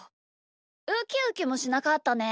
ウキウキもしなかったね。